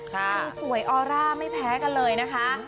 คือสวยออร่าไม่แพ้กันเลยนะคะ